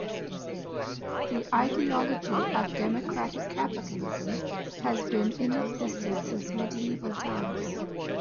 The ideology of "democratic capitalism" has been in existence since medieval times.